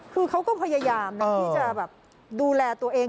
คือเขาก็พยายามที่จะแบบดูแลตัวเอง